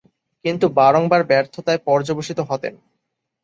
কিন্তু, বারংবার ব্যর্থতায় পর্যবসিত হতেন।